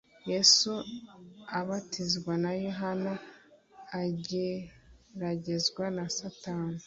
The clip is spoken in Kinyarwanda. Yesu abatizwa na yohana ageragezwa na satani